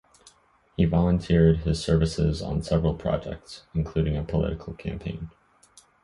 He volunteered his services on several projects, including a political campaign.